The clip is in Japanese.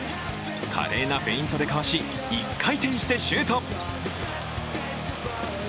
華麗なフェイントでかわし１回転してシュート！